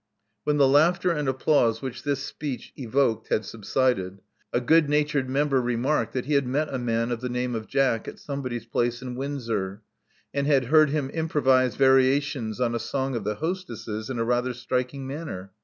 When the laughter and applause which this speech evoked had subsided, a good natured member remarked that he had met a man of the name of Jack at somebody's place in Windsor, and had heard him improvise variations on a song of the hostess's in a rather striking manner.